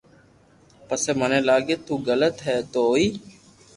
پسي مني لاگي تو غلط ھي تو ھوئي